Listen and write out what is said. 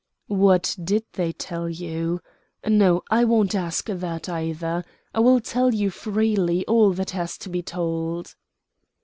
"What did they tell you? No; I won't ask that either. I will tell you freely all that has to be told."